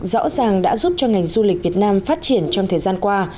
rõ ràng đã giúp cho ngành du lịch việt nam phát triển trong thời gian qua